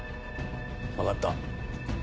分かった。